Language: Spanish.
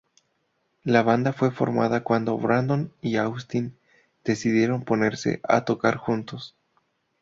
La banda fue formada cuando "Brandon y Austin decidieron ponerse a tocar juntos.